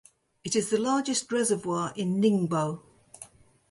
It is the largest reservoir in Ningbo.